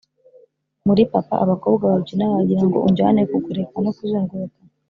muri papa abakobwa babyina wagirango unjyane kugoreka no kuzunguruka.